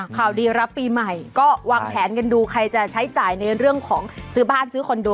ข่าวดีรับปีใหม่ก็วางแผนกันดูใครจะใช้จ่ายในเรื่องของซื้อบ้านซื้อคอนโด